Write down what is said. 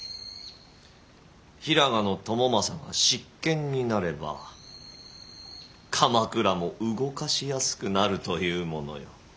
平賀朝雅が執権になれば鎌倉も動かしやすくなるというものよ。